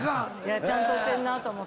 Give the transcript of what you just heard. ちゃんとしてるなと思って。